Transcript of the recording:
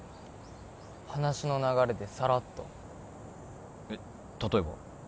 話の流れでサラッとえっ例えば？